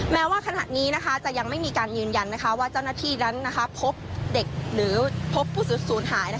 แม้ว่าขณะนี้จะยังไม่มีการยืนยันว่าเจ้าหน้าที่นั้นพบเด็กหรือพบผู้สูญหาย